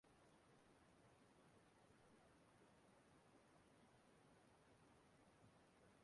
N'ozi ekele ya n'aha ndị òtù ya